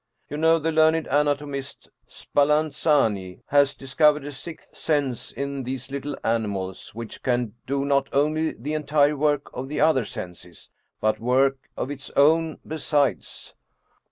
You know the learned anatomist Spallanzani has discovered a sixth sense in these little animals which can do not only the entire work of the other senses, but work of its own besides."